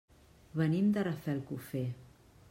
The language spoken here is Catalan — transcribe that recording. Venim de Rafelcofer.